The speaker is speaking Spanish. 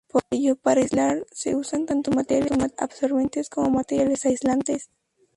Por ello, para aislar, se usan tanto materiales absorbentes, como materiales aislantes.